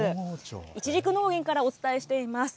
いちじく農園からお伝えしています。